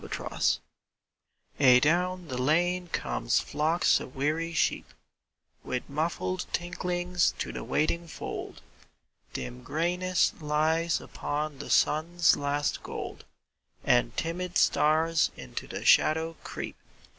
Biobt DOWN the lane come flocks of weary sheep With muffled tinklings to the waiting fold; Dim grayness lies upon the sun's last gold, And timid stars into the shadow creep.